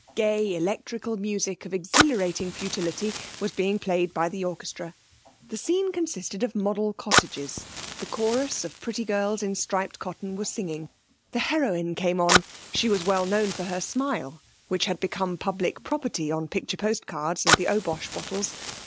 Gay, electrical music of exhilarating futility was being played by the orchestra. The scene consisted of model cottages; a chorus of pretty girls in striped cotton were singing. The heroine came on; she was well known for her smile, which had become public property on picture post cards and the Obosh bottles.